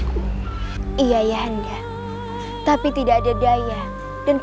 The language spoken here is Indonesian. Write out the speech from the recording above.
kalau dia macam macam